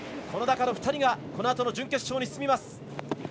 この中の２人がこのあとの準決勝に進みます。